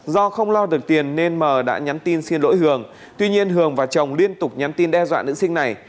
do không lo được tiền nên m đã nhắn tin xin lỗi hường tuy nhiên hường và chồng liên tục nhắn tin đe dọa nữ sinh này